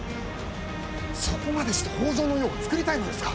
そこまでして北条の世をつくりたいのですか。